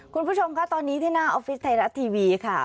คุณผู้ชมคะตอนนี้ที่หน้าออฟฟิศไทยรัฐทีวีค่ะ